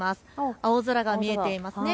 青空が見えていますね。